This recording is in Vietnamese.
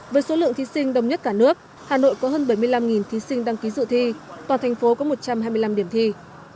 với số lượng thí sinh đông nhất cả nước hà nội có hơn bảy mươi năm thí sinh đăng ký dự thi toàn thành phố có một trăm hai mươi năm điểm thi